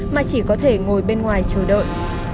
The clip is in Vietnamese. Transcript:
mà chỉ có thể ngồi bên ngoài chờ đợi